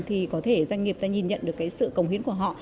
thì có thể doanh nghiệp ta nhìn nhận được sự công hiến của họ